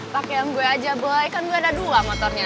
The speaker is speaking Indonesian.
pakaian gue aja boy kan gue ada dua motornya